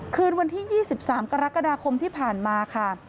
คืนวันที่๒๓กรกฎาคมที่ผ่านมาค่ะ